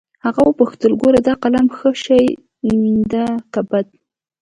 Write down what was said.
هغه وپوښتل ګوره دا قلم ښه شى ديه که بد.